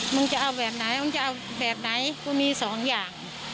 มึงจะเอาแบบไหนมึงจะเอาแบบไหนกูมีสองอย่าง